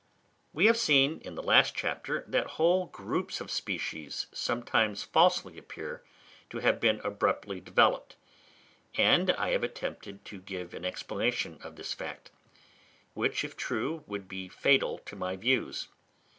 We have seen in the last chapter that whole groups of species sometimes falsely appear to have been abruptly developed; and I have attempted to give an explanation of this fact, which if true would be fatal to my views.